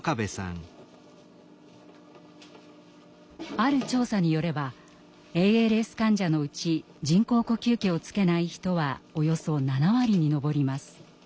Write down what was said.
ある調査によればＡＬＳ患者のうち人工呼吸器をつけない人はおよそ７割に上ります。